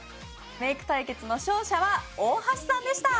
メイク対決の勝者は大橋さんでした。